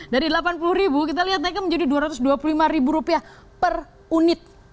dari rp delapan puluh kita lihat naiknya menjadi rp dua ratus dua puluh lima per unit